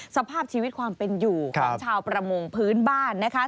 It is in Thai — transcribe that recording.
สภาพชีวิตความเป็นอยู่ของชาวประมงพื้นบ้านนะคะ